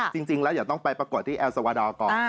จริงแล้วเดี๋ยวต้องไปประกวดที่แอลซาวาดอร์ก่อน